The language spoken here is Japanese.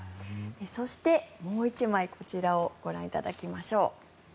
そして、もう１枚こちらをご覧いただきましょう。